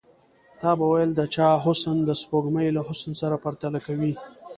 تا به ويل د چا حسن د سپوږمۍ له حسن سره پرتله کوي.